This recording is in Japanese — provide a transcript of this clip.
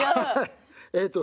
えっと